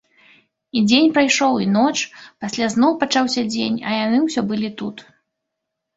І дзень прайшоў, і ноч, пасля зноў пачаўся дзень, а яны ўсё былі тут.